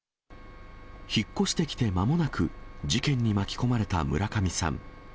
引っ越してきてまもなく、事件に巻き込まれた村上さん。